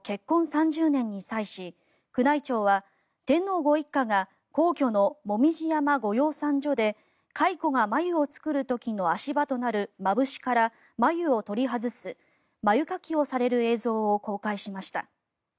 ３０年に際し宮内庁は天皇ご一家が皇居の紅葉山御養蚕所で蚕が繭を作る時の足場となるまぶしから、まぶしを取り外す繭掻きをされる映像を公開しました。